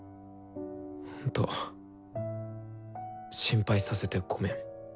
ほんと心配させてごめん。